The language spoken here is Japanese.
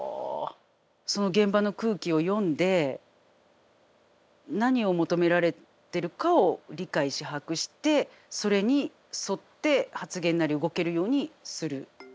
その現場の空気を読んで何を求められてるかを理解し把握してそれに沿って発言なり動けるようにする。